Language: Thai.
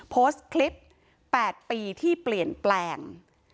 โพสต์คลิป๘ปีที่เปลี่ยนแปลง